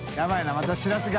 またしらすが。